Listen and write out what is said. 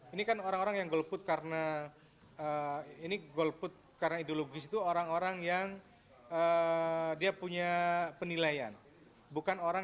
ini kan orang orang yang golput karena ideologis itu orang orang yang punya penilaian